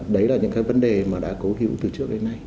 đấy là những cái vấn đề mà đã cấu hiểu từ trước đến nay